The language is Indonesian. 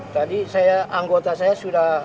tadi saya anggota saya sudah